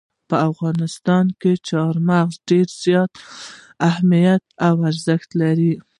په افغانستان کې چار مغز ډېر زیات اهمیت او ارزښت لري.